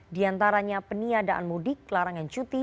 diantaranya peniadaan mudik larangan cuti